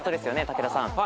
武田さん。